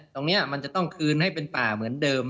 ตรงนี้มันจะต้องคืนให้เป็นป่าเหมือนเดิม